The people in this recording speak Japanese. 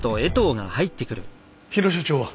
日野所長は？